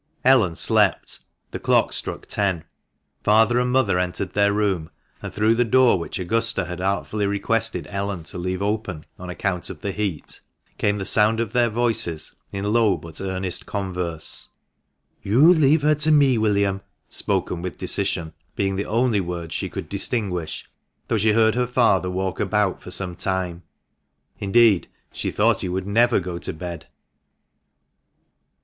Ellen slept. The clock struck ten. Father and mother entered their room, and through the door which Augusta had artfully requested Ellen to " leave open on account of the heat " came the sound of their voices in low but earnest converse — "You leave her to me, William," spoken with decision, being the only words she could distinguish, though she heard her father walk about for some time. Indeed, she thought he would never go to bed.